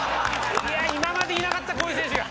今までいなかったこういう選手が。